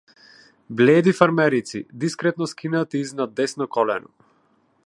Бледи фармерици, дискретно скинати изнад десно колено.